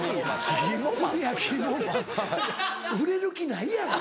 売れる気ないやろ。